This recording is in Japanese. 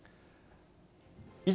以上、